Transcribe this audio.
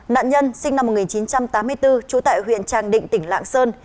nạn nhân sinh năm một nghìn chín trăm tám mươi bốn chú tại huyện tràng định tỉnh lạng sơn